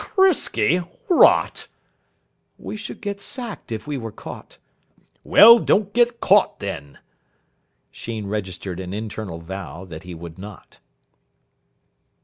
"Risky! Rot." "We should get sacked if we were caught." "Well, don't get caught, then." Sheen registered an internal vow that he would not.